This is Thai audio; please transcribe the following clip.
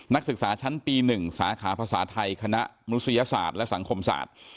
นักศึกษาชั้นปี๑สาขาภาษาไทยคณะมนุษยศาสตร์และสังคมศาสตร์